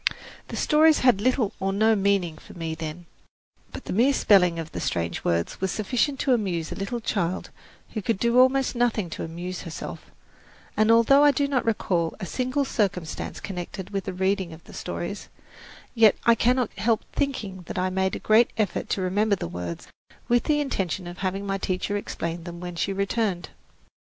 The stories had little or no meaning for me then; but the mere spelling of the strange words was sufficient to amuse a little child who could do almost nothing to amuse herself; and although I do not recall a single circumstance connected with the reading of the stories, yet I cannot help thinking that I made a great effort to remember the words, with the intention of having my teacher explain them when she returned.